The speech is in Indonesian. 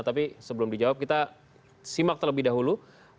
tapi sebelum dijawab kita simak terlebih dahulu